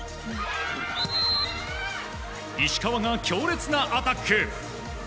石川が強烈なアタック！